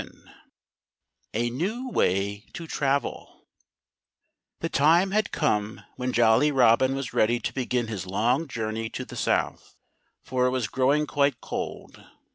VII A NEW WAY TO TRAVEL The time had come when Jolly Robin was ready to begin his long journey to the South, for it was growing quite cold.